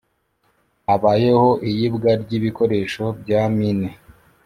habayeho iyibwa ry’ibikoresho bya mine